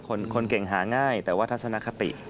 คนเก่งหาง่ายแต่ว่าทัศนคติ